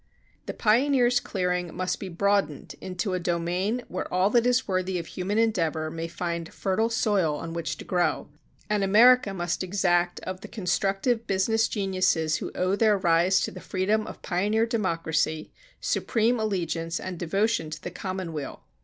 The pioneer's clearing must be broadened into a domain where all that is worthy of human endeavor may find fertile soil on which to grow; and America must exact of the constructive business geniuses who owe their rise to the freedom of pioneer democracy supreme allegiance and devotion to the commonweal.